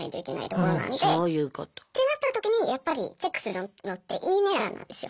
そういうこと。ってなった時にやっぱりチェックするのって「いいね欄」なんですよ。